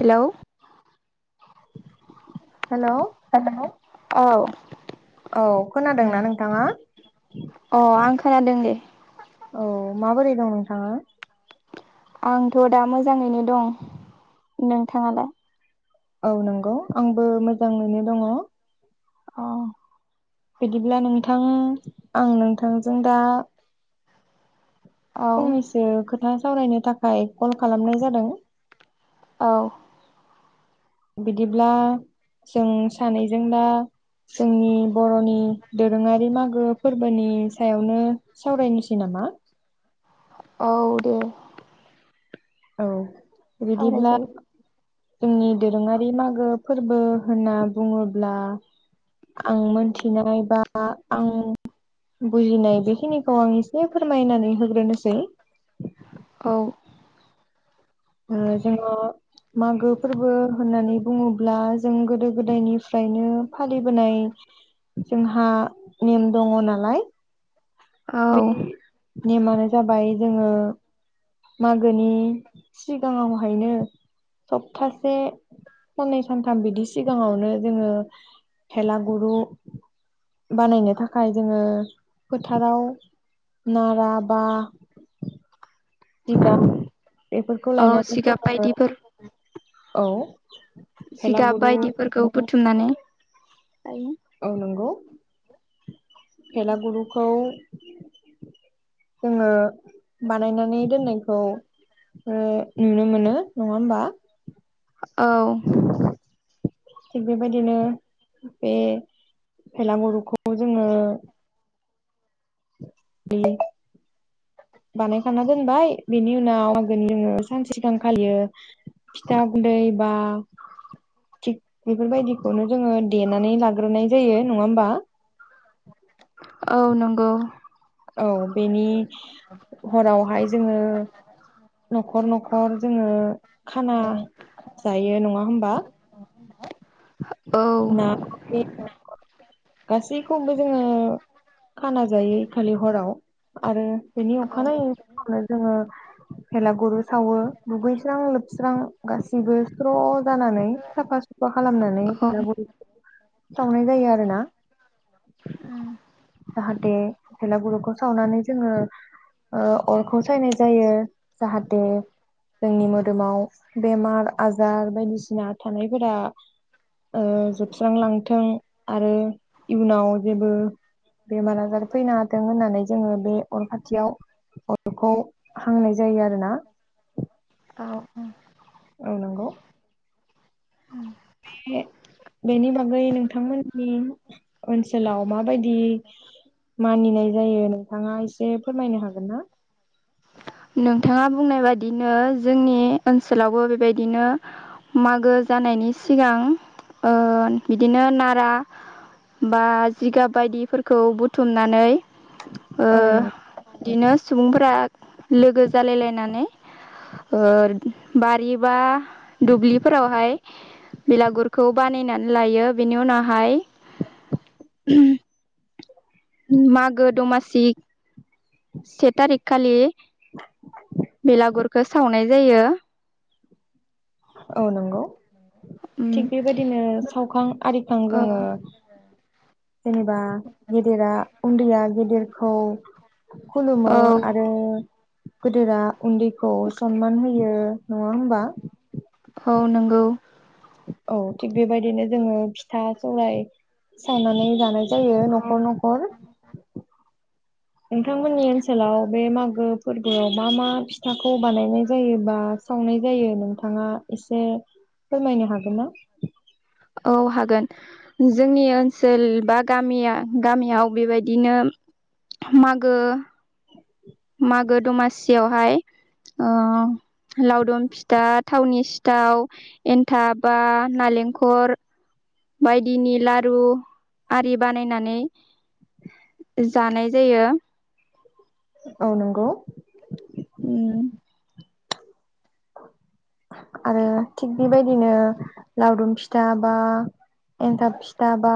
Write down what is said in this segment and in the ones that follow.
Hello hello hello औ औ खोनादोंना नोंथाङा? अ आं खोनादों दे। औ माबोरै दं नोंथाङा? आंथ' दा मोजाङैनो दं नोंथांङालाय? औ नंगौ आंबो मोजाङैनो दङ। औ बिदिब्ला नोंथां आं नोंथांजों दा औ फंनैसो खोथा सावरायनो थाखाय कल खालामनाय जादों। औ बिदिब्ला जों सानैजों दा जोंनि बर'नि दोरोङारि मागो फोरबोनि सायावनो सावरायनोसै नामा? मा औ दे औ बिदिब्ला सावरायजायो जोंनि दोरोङारि मागो फोरबो होनना बुङोब्ला आं मोनथिनाय बा आं बुजिनाय बेखिनिखौ आं एसे फोरमायनानै होग्रोनोसै औ ओ जोंङो मागो फोरबो होननानै बुङोब्ला जों गोदो गोदायनिफ्रायनो फालिबोनाय जोंहा नेम दङ नालाय औ बे नेमानो जाबाय जोंङो मागोनि सिगाङावहायनो सप्तासे साननै सानथाम बिदि सिगाङावनो जोङो भेला गुरु बानायनो थाखाय जोंङो फोथाराव नारा बा जिगाब बेफोरखौ औ लायनानै जिगाब जोंङो बायदिफोर औ जिगाब भेलागुरु बायदिफोरखौ बुथुमनानै औ नंगौ भेलागुरुखौ [inaudible] जोंङो बानायनानै दोननायखौ ओ नुनो मोनो नंङा होमबा औ थिग बेबायदिनो बे भेलागुरुखौ जोङो। बानायखाना दोनबाय बेनि उनाव आगोनि उनाव। सानसे सिगां फालियो फिथा गुन्दै बा। थिग बेफोरबायदिखौनो जोङो देनानै लाग्रोनाय जायो नङा होमबा। औ नंगौ औ बेनि हरावहाय जोङो नखर नखर जोङो खाना जायो नङा होमबा। औ ना बे गासैखौबो जोङो खाना जायो खालि हराव आरो। बेनि अखानायै फुङावनो जोङो। भेलागुरु सावो दुगैस्रां लोबस्रां गासिबो स्र जानानै साफा सफ सुफा खालामनानै औ भेलागुरु। [inaudible] सावनाय जायो आरो ना। उम जाहाथे भेलागुरुखौ सावनानै जोङो। ओ अरखौ सायनाय जायो जाहाथे। जोंनि मोदोमाव बेमार आजार बायदिसिना थानायफोरा। ओ जोबस्रांलांथों आरो इयुनाव जेबो। बेमार आजार फैनो हाथों होननानै जोङो बे अर खाथियाव अरखौ हांनाय जायो आरोना। औ-औ आ नंगौ बे बेनि बागै नोंथांमोननि ओनसोलाव माबायदि। मानिनाय जायो नोंथाङा एसे फोरमायनो हागोन ना? नोंथाङा बुंनाय बादिनो जोंनि ओनसोलावबो बेबायदिनो। मागो जानायनि सिगां ओ-बिदिनो नारा। बा जिगाब बायदिफोरखौ बुथुमनानै। औ नों ओ-बिदिनो सुबुंफोरा लोगो जालायलायनानै। ओर बारि बा दुब्लिफोरावहाय। बिलागुरखौ बानायनानै लायो बेनि उनावहाय। मागो दमासिक। से थारिख खालि बेलागुरखौ सावनाय जायो। औ नंगौ उम थिग बेबायदिनो सावखां आरिखां औ जोङो। जेनेबा गेदेरा उन्दैया गेदेरखौ। खुलुमो औ आरो गोदोरा उन्दैखौ सनमान होयो। नङा होमबा। औ नोंगौ औ थिग बेबायदिनो जोङो फिथा सौराय सावनानै जानाय। जायो नखर नखर नोंथांमोननि ओनसोलाव बे मागो फोरबोआव मा मा फिथाखौ बानायनाय जायोबा सावनाय जायो नोंथाङा एसे फोरमायनो हागोन ना? औ हागोन जोंनि ओनसोल बा गामिया गामियाव बेबायदिनो। मागो मागो दमासियावहाय ओ लावदुम फिथा थावनि सिथाव एन्थाब बा नालेंखर। बायदिनि लारु आरि बानायनानै। जानाय जायो औ नंगौ ओम [inaudible] आरो थिग बेबायदिनो लावदुम फिथा बा एन्थाब फिथा बा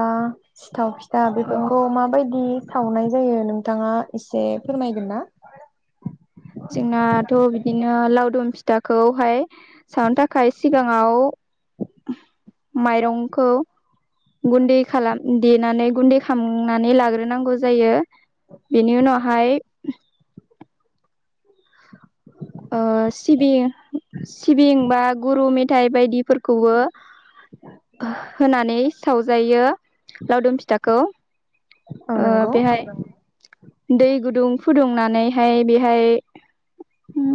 सिथाव फिथा औ बेफोरखौ माबायदि सावनाय जायो नोंथाङा एसे फोरमायगोन ना जोंनाथ' बिदिनो लावदुम फिथाखौहाय सावनो थाखाय सिगां आव माइरंखौ गुन्दै खालाम देनानै गुन्दै खालामनानै लाग्रोनांगौ जायो बेनि उनावहाय ओ सिबि सिबिं बा गुरु मेथाइ बायदिफोरखौबो होनानै सावजायो लावदुम फिथाखौ औ ओ नंगौ बेहाय दै गुदुं फुदुंनानैहाय बेहाय ओ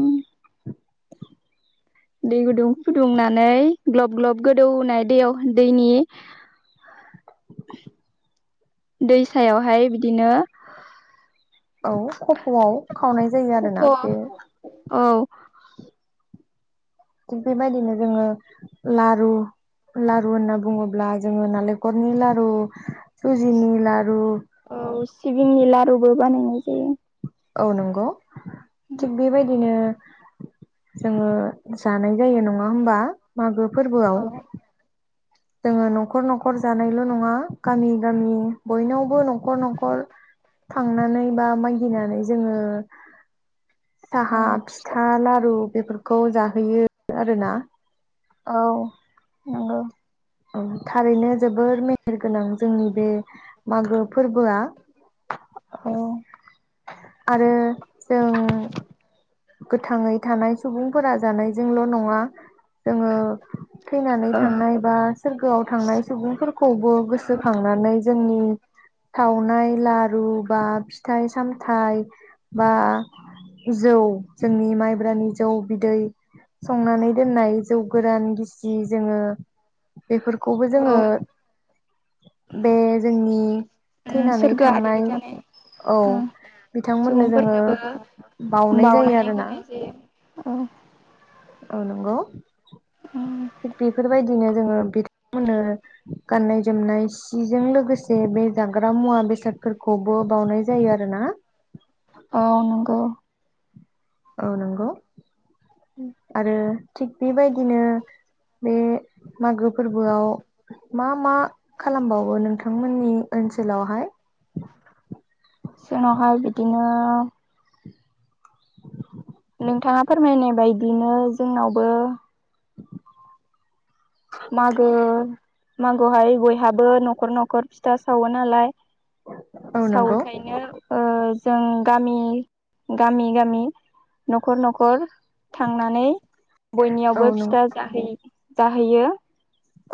दै गुदुं फुदुंनानै ग्लब ग्लब गोदौनाय दैयाव दैनि [inaudible] दैसायावहाय बिदिनो औ कफ'आव खावनाय जायो खफ' आरोना औ बेनो थिग बेबायदिनो जोङो लारु लारु होनना बुङोब्ला जोङो नालेंखरनि लारु सुजिनि लारु खौबो बानायनाय जायो औ नंगौ थिग बेबायदिनो जोङो जानाय जायो नङा हबा मागो फोरबोआव औ जोङो न'खर न'खर जानायल' नङा गामि गामि बयनावबो न'खर न'खर थांनानै बा मागिनानै जोङो साहा फिथा लारु बेफोरखौ जाहोयो आरोना औ नंगौ थारैनो जोबोर मेहेर गोनां जोंनि बे मागो फोरबोआ आरो जों गोथाङै थानाय सुबुंफोरा जानायजोंल' नङा जोङो थैनानै औ थांनाय बा सोरगोआव थांनाय सुबुंफोरखौबो गोसोखांनानै जोंनि सावनाय लारु बा फिथाइ सामथाम फि थाइ बा जौ जोंनि माइब्रानि जौ बिदै संनानै दोननाय जौ गोरान गिसि जोङो बेफोरखौबो जोङो औ बे जोंनि थैनानै सोरगोआरि थांनाय जानाय औ बिथांमोननो जोङो सुबुंफोरनोबो बउनाय जायो बावनानै आरोना होनाय जायो औ औ नंगौ थिग बेफोरबायदिनो जोङो बिथांमोननो गाननाय जोमनाय सिजों लोगोसे बे जाग्रा मुवा बेसादफोरखौबो बावनाय जायो आरोना औ नंगौ औ नंगौ आरो थिग बेबायदिनो बे मागो फोरबोआव मा मा खालामबावो नोंथांमोननि मानसिल हाय जोंनावहाय बिदिनो नोंथाङा फोरमायनाय बायदिनो जोंनावबो मागो मागोहाय बयहाबो न'खर न'खर फिथा सावो नालाय औ नंगौ सावोखायनो ओ जों गामि गामि गामि न'खर न'खर थांनानै औ बयनियावबो नों फिथा जाहै-जाहैयो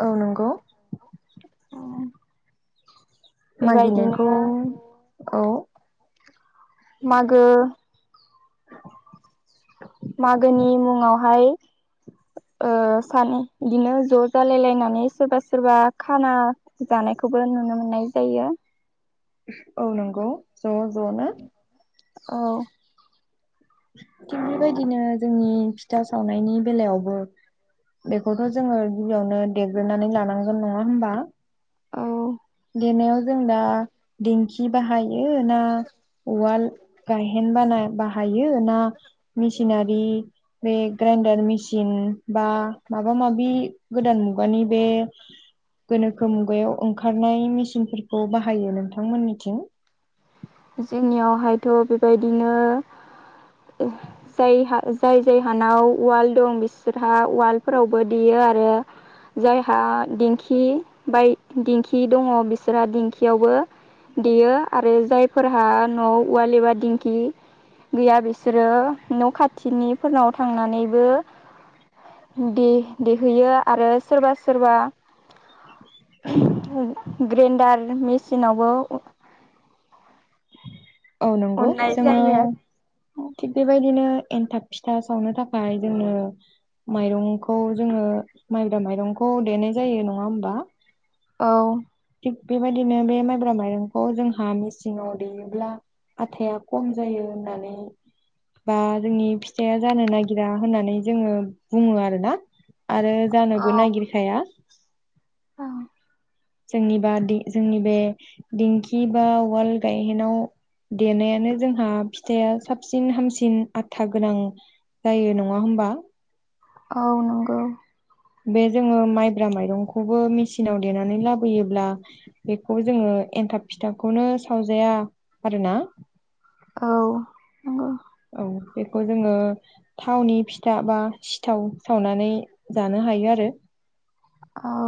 औ नंगौ बेबायदिनो मागिनायखौ औ मागो मागोनि मुङावहाय ओ सानै बिदिनो ज' जालायलायनानै सोरबा सोरबा खाना जानाय खौबो नुनो मोननाय जायो औ नंगौ ज' ज'नो औ थिग बेबायदिनो जोंनि फिथा सावनायनि बेलायावबो बेखौथ' जोङो गिबियावनो देग्रोनानै लानांगोन नङा होमबा औ देनायाव जों दा दिंखि बाहायो ना उवाल गायहेन बाना बाहा यो ना मेसिनारि बे ग्रेन्दार मेसिन बा माबा मो माबि गोदान मुगानि बे गोनोखो मुगायाव ओंखारनाय मेसिनफोरखौ बाहायो नोंथांमोननिथिं जोंनियावहायथ' बे बायदिनो जायहा जाय जाय हानाव उवाल दं बिसोरहा उवालफोरावबो देयो। गारो जायहा दिंखि बाय दिंखि दङ' बिसोरहा दिंखियावबो देयो आरो जायफोरहा न'आव उवाल एबा दिंखि गैया बिसोरो न' खाथिनिफोरनाव थांनानैबो दे-देहैयो आरो सोरबा सोरबा ग्रेन्डार मेचिनावबो औ नंगौ जोङो थिग बे बायदिनो एनथाब फिथा सावनो थाखाय जोङो माइरंखौ जोङो माइब्रा माइरंखौ देनाय जायो नङा होमबा? औ बे बायदिनो बे माइब्रा माइरंखौ जोंहा मेसिनाव देयोब्ला आथाया खम जायो होननानै बा जोंनि फिथाइआ जानो नागिरा होननानै जोङो बुङो आरो ना। आरो जानोबो औ नागिरखाया। जोंनिबा दि जोंनि बे दिंखि बा उवाल गायहेनाव देनायानो जोंहा फिथाया साबसिन हामसिन आथा गोनां जायो नङा होम बा औ नंगौ। बे जोङो माइब्रा माइरंखौबो मेसिनाव देनानै लाबोयोब्ला बेखौ जोङो एन्थाब फिथाखौनो सावजाया आरो ना। औ नंगौ औ बेखौ जोङो थावनि फिथा बा सिथाव सावनानै जानो हायो आरो औ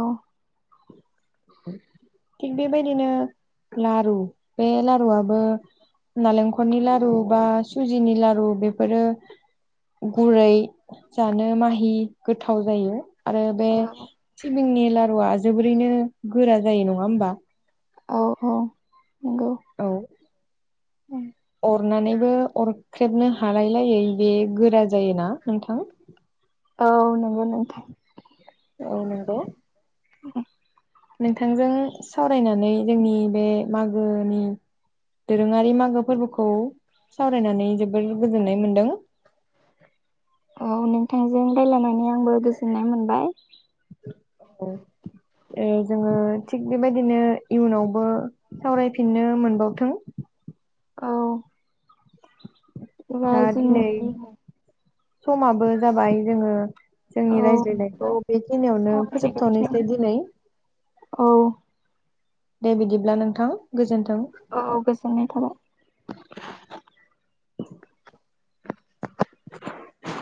थिग बे बायदिनो लारु बे लारुआबो नालेंखलनि लारु बा सुजिनि लारु बेफोरो गुरै जानो माहि गोथाव जायो। आरो बे सिबिंनि लारुआ जोबोरैनो गोरा जायो नङा होमबा? औ औ नंगौ। औ अरनानैबो अरख्रेबनो हालाय लायै बे गोरा जायोना नोंथां औ नंगौ नोंथां फनो दो [unintelligible] [inaudible] नोंथांजों सावरायनानै जोंनि बे मागोनि दोरोङारि मागो फोरबोखौ सावरायनानै जोबोर गोजोननाय मोनदों। औ नोंथांजों रायलायनानै आंबो गोजोननाय मोनबाय औ जोङो थिग बे बायदिनो इयुनावबो सावरायफिननो मोनबावथों औ होमबा दा जोंनि दिनै बे समाबो जाबाय जोङो औ जोंनि रायज्लायनायखौ बेखिनियावनो सावरायनायखौ फोजोबथ'नोसै बेखिनियावनो दिनै औ दे बिदिब्ला नोंथां गोजोन्थों। औ गोजोननाय थाबाय [inaudible]